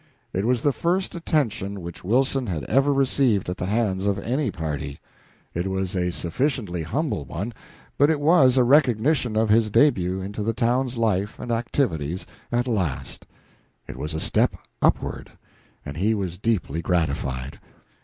It was the first attention which Wilson had ever received at the hands of any party; it was a sufficiently humble one, but it was a recognition of his début into the town's life and activities at last; it was a step upward, and he was deeply gratified.